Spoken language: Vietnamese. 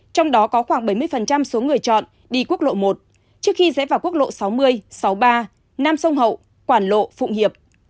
trong đó có khoảng bảy mươi số người chọn đi quốc lộ một trước khi rẽ vào quốc lộ sáu mươi sáu mươi ba nam sông hậu quảng lộ phụng hiệp